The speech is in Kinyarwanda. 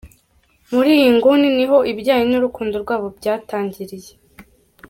Muri iyi nguni ni ho ibijyanye n'urukundo rwabo byatangiriye.